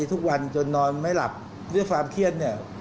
ทุกวันจนนอนไม่หลับด้วยความเครียดเนี่ย